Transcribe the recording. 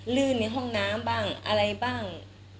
ลื่นในห้องน้ำบ้างอะไรบ้าง